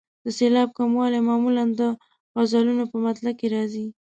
د سېلاب کموالی معمولا د غزلونو په مطلع کې راځي.